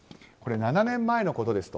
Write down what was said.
７年前のことですと。